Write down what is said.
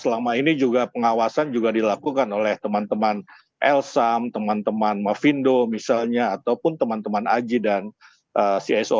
selama ini juga pengawasan juga dilakukan oleh teman teman elsam teman teman mafindo misalnya ataupun teman teman aji dan ceso